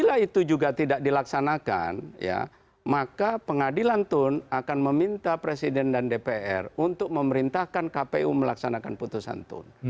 bila itu juga tidak dilaksanakan maka pengadilan tun akan meminta presiden dan dpr untuk memerintahkan kpu melaksanakan putusan tun